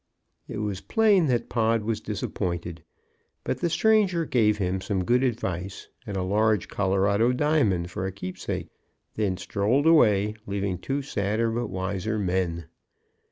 '" It was plain that Pod was disappointed, but the stranger gave him some good advice, and a large Colorado diamond for a keepsake, then strolled away, leaving two sadder but wiser men.